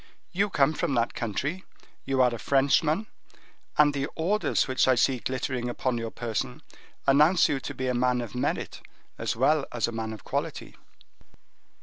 You come from that country, you are a Frenchman, and the orders which I see glittering upon your person announce you to be a man of merit as well as a man of quality."